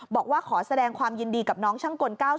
บอกว่าขอแสดงความยินดีกับน้องช่างกล๙๐